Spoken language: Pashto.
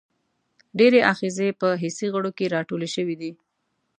ډېری آخذې په حسي غړو کې را ټولې شوي دي.